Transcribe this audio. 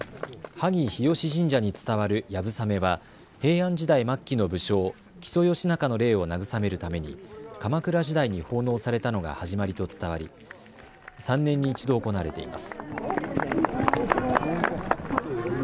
萩日吉神社に伝わる流鏑馬は平安時代末期の武将、木曽義仲の霊を慰めるために鎌倉時代に奉納されたのが始まりと伝わり３年に１度、行われています。